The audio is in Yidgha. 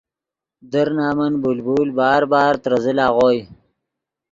در نمن بلبل بار بار ترے زل اغوئے